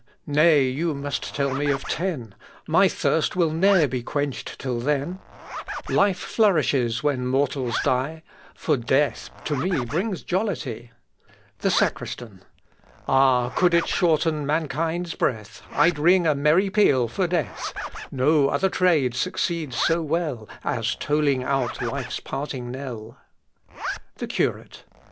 nay you must tell me of ten: My thirst will ne'er be quenched till then. Life flourishes when mortals die, For death to me brings jollity. Je mehr, je besser! Kämen doch noch Zehn! (Ibid.) THE SACRISTAN. Ah! could it shorten mankind's breath! I'd ring a merry peal for death! No other trade succeeds so well As tolling out life's parting knell. THE CURATE.